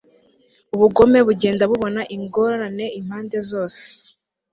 ubugome bugenda bubona ingorane impande zose